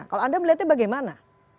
kalau anda melihatnya bagaimana